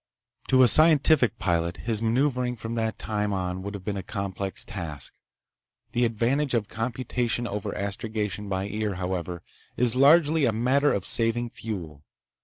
To a scientific pilot, his maneuvering from that time on would have been a complex task. The advantage of computation over astrogation by ear, however, is largely a matter of saving fuel.